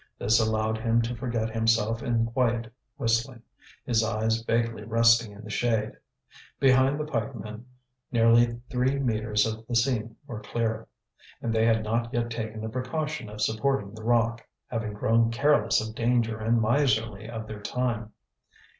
This allowed him to forget himself in quiet whistling, his eyes vaguely resting in the shade. Behind the pikemen nearly three metres of the seam were clear, and they had not yet taken the precaution of supporting the rock, having grown careless of danger and miserly of their time.